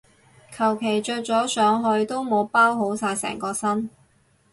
求其着咗上去都冇包好晒成個身